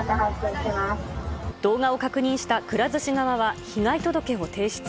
動画を確認したくら寿司側は被害届を提出。